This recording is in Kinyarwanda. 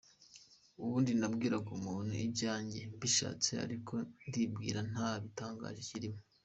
Ubundi nabwiraga umuntu ibyanjye mbishatse, ariko ndibwira ko nta gitangaje kirimo.